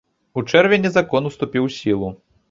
У чэрвені закон уступіў у сілу.